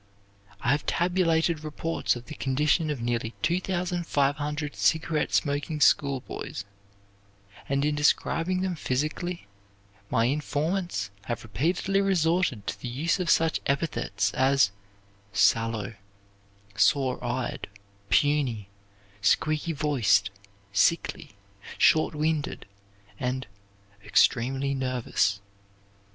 "I have tabulated reports of the condition of nearly 2,500 cigarette smoking schoolboys, and in describing them physically my informants have repeatedly resorted to the use of such epithets as 'sallow,' 'sore eyed,' 'puny,' 'squeaky voiced,' 'sickly,' 'short winded,' and 'extremely nervous.'